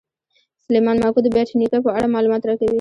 سلیمان ماکو د بېټ نیکه په اړه معلومات راکوي.